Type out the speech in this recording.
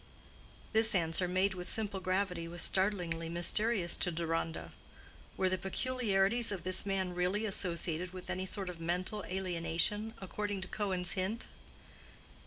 This answer, made with simple gravity, was startlingly mysterious to Deronda. Were the peculiarities of this man really associated with any sort of mental alienation, according to Cohen's hint?